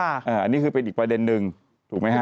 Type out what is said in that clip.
อันนี้คือเป็นอีกประเด็นนึงถูกไหมฮะ